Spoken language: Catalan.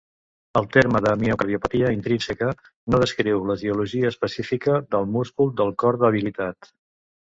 El terme de miocardiopatia intrínseca no descriu l'etiologia específica del múscul del cor debilitat.